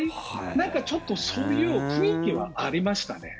なんかちょっとそういう空気はありましたね。